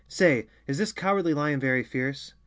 Say, is this Cowardly Lion very fierce?"